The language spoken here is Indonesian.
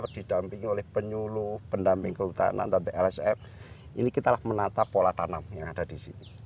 didampingi oleh penyuluh pendamping kehutanan atau blsf ini kita menata pola tanam yang ada di sini